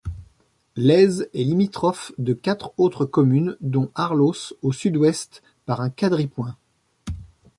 Lez est limitrophe de quatre autres communes, dont Arlos au sud-ouest par un quadripoint.